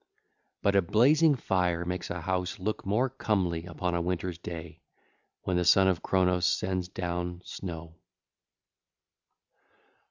But a blazing fire makes a house look more comely upon a winter's day, when the Son of Cronos sends down snow.